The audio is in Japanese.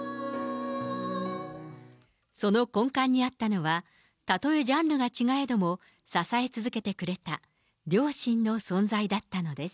その根幹にあったのは、たとえジャンルが違えども、支え続けてくれた両親の存在だったのです。